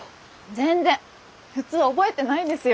全然普通覚えてないですよ